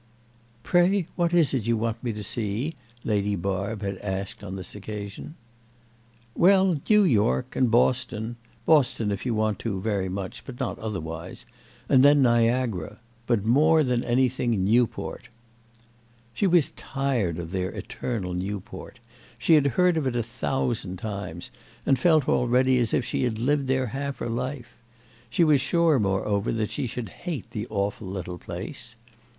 "Pray what is it you want me to see?" Lady Barb had asked on this occasion. "Well, New York and Boston (Boston if you want to very much, but not otherwise), and then Niagara. But more than anything Newport." She was tired of their eternal Newport; she had heard of it a thousand times and felt already as if she had lived there half her life; she was sure, moreover, that she should hate the awful little place.